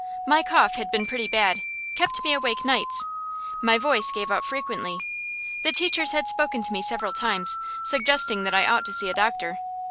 My cough had been pretty bad kept me awake nights. My voice gave out frequently. The teachers had spoken to me several times, suggesting that I ought to see a doctor.